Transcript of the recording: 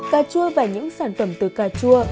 cà chua và những sản phẩm từ cà chua